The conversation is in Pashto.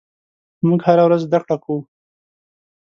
موږ هره ورځ زدهکړه کوو.